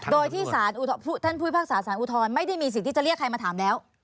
โดยที่สารท่านผู้พิพากษาสารอุทธรณ์ไม่ได้มีสิทธิ์ที่จะเรียกใครมาถามแล้ว